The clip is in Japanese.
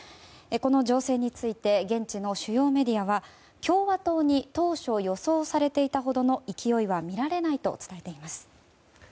この情勢について現地の主要メディアは共和党に当初予想されていたほどの勢いは見られないと伝えています。